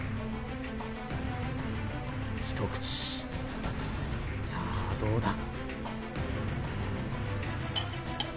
一口さあどうだ？